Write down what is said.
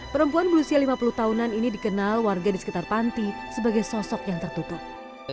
perempuan berusia lima puluh tahunan ini dikenal warga di sekitar panti sebagai sosok yang tertutup